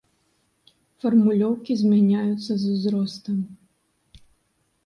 Фармулёўкі змяняюцца з узростам.